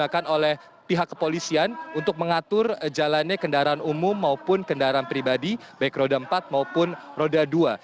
kepolisian untuk mengatur jalannya kendaraan umum maupun kendaraan pribadi baik roda empat maupun roda dua